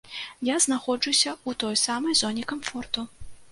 Я знаходжуся ў той самай зоне камфорту.